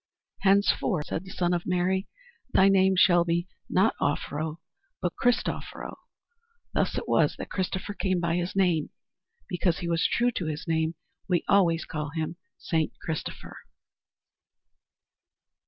"Henceforth," said the Son of Mary, "thy name shall be, not Offero but Christoffero." Thus it was that Christopher came by his name. Because he was true to his name we always call him St Christopher.